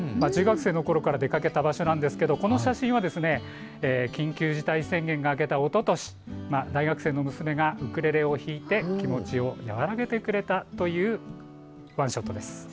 中学生のころから出かけた場所なんですけれども、この写真は緊急事態宣言が明けたおととし、大学生の娘がウクレレを弾いて気持ちを和らげてくれたというワンショットです。